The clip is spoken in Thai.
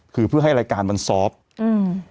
คือเพื่อให้รายการมันซอฟต์อืม